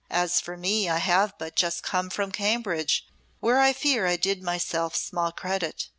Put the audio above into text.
As for me, I have but just come from Cambridge, where I fear I did myself small credit.